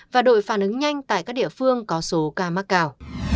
và đội phản ứng nhanh tại các địa phương có số ca mắc cao